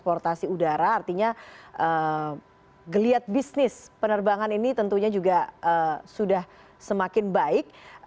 jelas dampaknya langsung terasa mbak